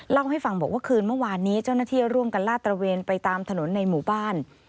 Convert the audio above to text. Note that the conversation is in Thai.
เล่าให้ฟังบอกว่าคืนเมื่อวานนี้เจ้าหน้าที่ร่วมกันลาดตระเวนไปตามถนนในหมู่บ้าน